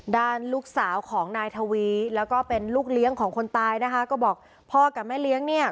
ด้านลูกสาวของนายทวีแล้วก็เป็นลูกเลี้ยงของคนตายนะคะก็บอกพ่อกับแม่เลี้ยงเนี่ย